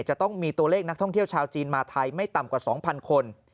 จะต้องมีตัวเลขนักท่องเที่ยวชาวจีนมาไทยไม่ต่ำกว่า๒๐๐คน